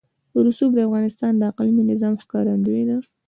رسوب د افغانستان د اقلیمي نظام ښکارندوی ده.